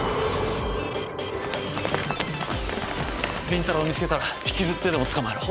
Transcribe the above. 倫太郎を見つけたら引きずってでも捕まえろ。